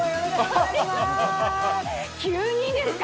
急にですか？